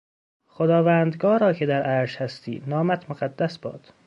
خداوندگارا که در عرش هستی، نامت مقدس باد!